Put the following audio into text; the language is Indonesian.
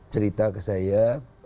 cerita ke saya